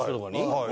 はい。